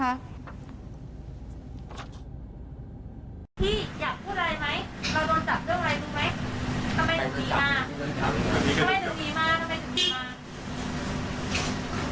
แล้วคนนั้นรู้จักกับพี่หรอก็จะบ่าค่ะรู้จักกับพี่ใช่ไหม